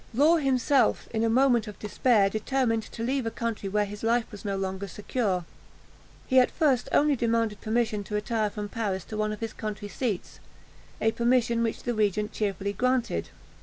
Law himself, in a moment of despair, determined to leave a country where his life was no longer secure. He at first only demanded permission to retire from Paris to one of his country seats a permission which the regent cheerfully granted.